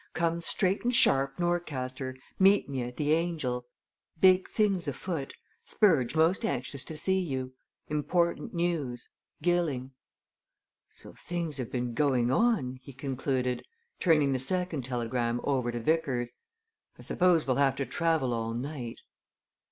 Come straight and sharp Norcaster. Meet me at the "Angel." Big things afoot. Spurge most anxious see you. Important news. Gilling.' So things have been going on," he concluded, turning the second telegram over to Vickers. "I suppose we'll have to travel all night?"